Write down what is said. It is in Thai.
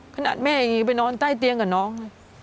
ขนาดแม่ยังไปนอนใต้เตียงกับน้อง